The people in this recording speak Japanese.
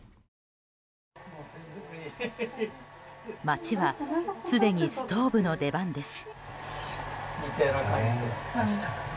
街はすでにストーブの出番です。